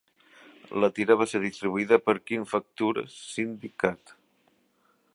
La tira va ser distribuïda per King Features Syndicate.